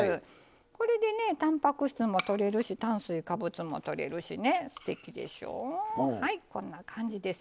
これでたんぱく質もとれるし炭水化物もとれるしすてきでしょう。